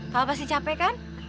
papa pasti capek kan